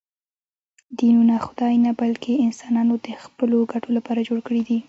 دینونه خدای نه، بلکې انسانانو د خپلو ګټو لپاره جوړ کړي دي